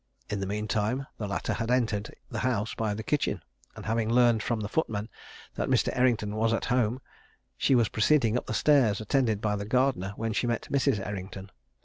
In the mean time the latter had entered the house by the kitchen, and having learned from the footman that Mr. Errington was at home, she was proceeding up stairs, attended by the gardener, when she met Mrs. Errington.